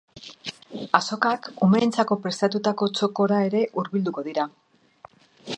Azokak umeentzako prestatutako txokora ere hurbilduko dira.